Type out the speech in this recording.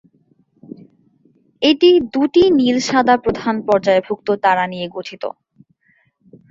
এটি দু’টি নীল-সাদা প্রধান পর্যায়ভুক্ত তারা নিয়ে গঠিত।